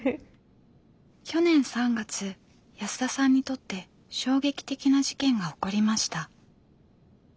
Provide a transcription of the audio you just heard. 去年３月安田さんにとって衝撃的な事件が起こりました。